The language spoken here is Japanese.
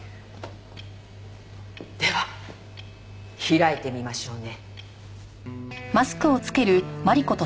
では開いてみましょうね。